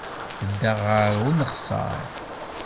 Tedda ɣer uneɣsar.